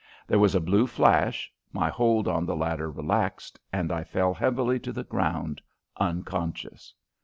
There was a blue flash, my hold on the ladder relaxed, and I fell heavily to the ground unconscious!